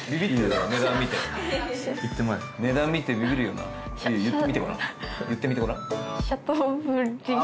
だろ値段見て値段見てビビるよな言ってみてごらん言ってみてごらんああ！